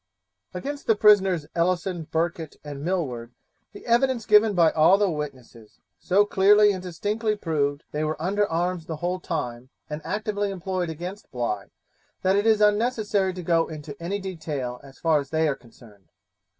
Against the prisoners Ellison, Burkitt, and Millward, the evidence given by all the witnesses so clearly and distinctly proved they were under arms the whole time, and actively employed against Bligh, that it is unnecessary to go into any detail as far as they are concerned.